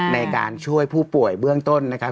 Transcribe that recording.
ในการช่วยผู้ป่วยเบื้องต้นนะครับ